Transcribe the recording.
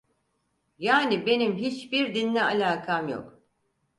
Yani benim hiçbir dinle alakam yok!